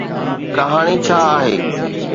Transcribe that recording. ڪهاڻي ڇا آهي؟